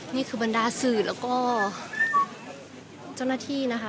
นี่คือบรรดาสื่อแล้วก็เจ้าหน้าที่นะคะ